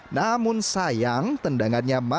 namun sayang tendangannya berlalu